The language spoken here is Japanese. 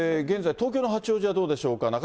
現在、東京の八王子はどうでしょうか。